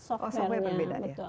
oh software yang berbeda